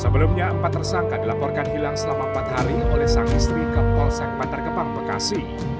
sebelumnya empat tersangka dilaporkan hilang selama empat hari oleh sang istri ke polsek bantar gebang bekasi